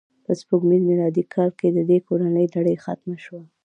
په سپوږمیز میلادي کال کې د دې کورنۍ لړۍ ختمه شوه.